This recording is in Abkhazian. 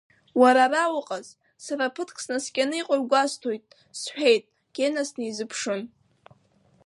Уара ара уҟаз, сара ԥыҭк снаскьаны иҟоу гәасҭоит, – сҳәеит, Гена снеизыԥшын.